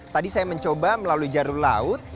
tadi saya mencoba melalui jalur laut